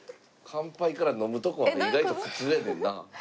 乾杯から飲むとこは意外と普通やねんな。